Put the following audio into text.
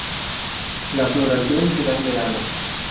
La floración se da en verano.